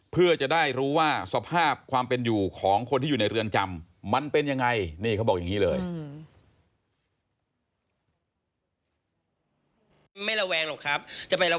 เพื่อจะได้รู้ว่าสภาพความเป็นอยู่ของคนที่อยู่ในเรือนจำมันเป็นยังไง